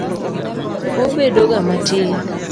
Obedoga matin.